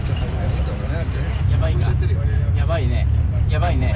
やばいか。